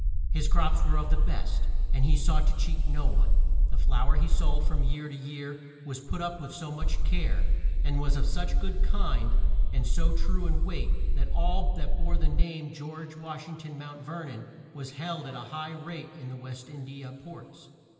His crops were of the best, and he sought to cheat no one. The flour he sold from year to year was put up with so much care, and was of such a good kind and so true in weight that all that bore the brand of George Wash ing ton, Mount Ver non, was held at a high rate in the West In di a ports.